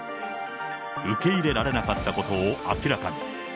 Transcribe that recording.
受け入れられなかったことを明らかに。